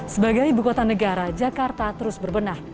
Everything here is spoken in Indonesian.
sebagai ibukota negara jakarta terus berbenah